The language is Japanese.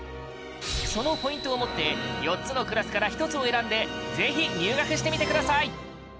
そのポイントを持って４つのクラスから１つを選んでぜひ入学してみてください